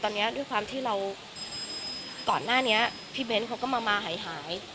ตอนนี้ด้วยความที่เราก่อนหน้านี้พี่เบ้นเขาก็มาหาย